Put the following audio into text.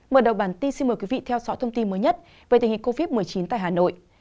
mở đầu bản tin xin mời quý vị theo dõi thông tin mới nhất về tình hình covid một mươi chín tại hà nội